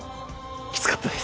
きつかったです。